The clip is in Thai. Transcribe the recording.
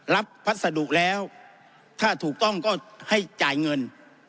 พัสดุแล้วถ้าถูกต้องก็ให้จ่ายเงิน